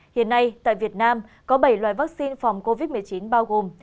hiện nay tại việt nam có bảy loại vắc xin phòng covid một mươi chín bao gồm